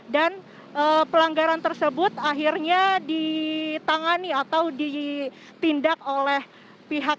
dan pelanggaran tersebut akhirnya ditangani atau ditindak oleh pihak satpol pp kota depok